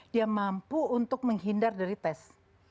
dia mampu untuk menghindar dari tes